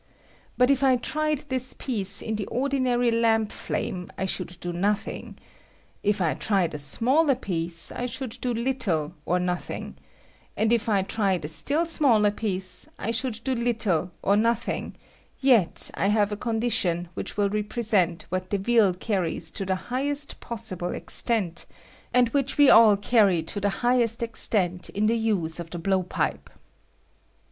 But if I tried this piece in the ordinary lamp flame I should do nothing ; if I tried a smaller piece I should do little or nothing ; and if I tried a still smaller piece I should do httle or nothing; yet I have a condition which will represent what Deville carries to the highest possible extent, and which we all carry to the highest extent in the uSe of the blowpipe.